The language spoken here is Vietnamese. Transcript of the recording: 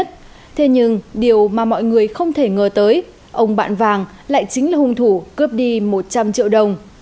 thế nhưng điều mà mọi người không thể ngờ tới ông bạn lại chính là hung thủ cướp đi một trăm linh triệu đồng